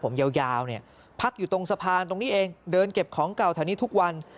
พักอยู่ระหว่างสะพานตรงนี้เองเดินเก็บของเก่าแถวนี้ทุกวัน